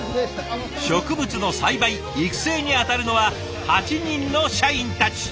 植物の栽培育成に当たるのは８人の社員たち。